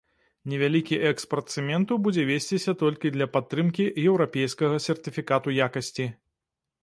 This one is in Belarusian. Невялікі экспарт цэменту будзе весціся толькі для падтрымкі еўрапейскага сертыфікату якасці.